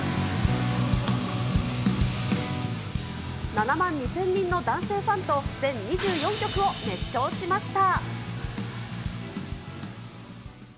７万２０００人の男性ファンと全２４曲を熱唱しました。